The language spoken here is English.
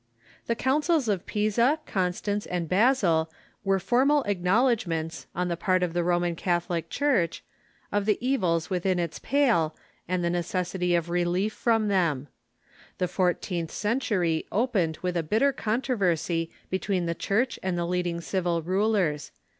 ] The Councils of Pisa, Constance, and Basel were formal ac knowledgments, on the part of the Roman Catholic Church, of the evils within its pale, and the necessity of relief C(funcMs fi'^"^ them. The fourteenth century opened Avith a Litter controversy between the Church and the leading civil rulers.